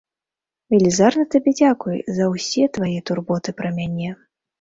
Велізарны табе дзякуй за ўсе твае турботы пра мяне.